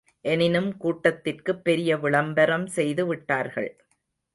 எனினும் கூட்டத்திற்குப் பெரிய விளம்பரம் செய்து விட்டார்கள்.